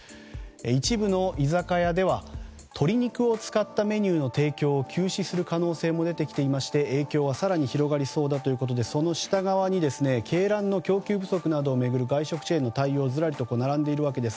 一部の居酒屋では鶏肉を使ったメニューの提供を休止する可能性も出てきていまして影響は更に広がりそうだということでその下側に鶏卵の供給不足などを巡る外食チェーンの対応がずらりと並んでいます。